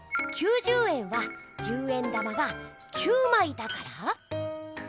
９０円は十円玉が９まいだから。